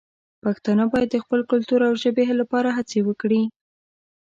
پښتانه باید د خپل کلتور او ژبې لپاره هڅې وکړي.